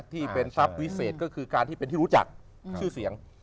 ที่เป็นทรัพย์วิเศษก็คือการที่เป็นที่รู้จักชื่อเสียง